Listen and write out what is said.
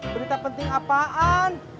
berita penting apaan